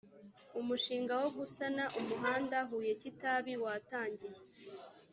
umushinga wo gusana umuhanda huye , kitabi watangiye.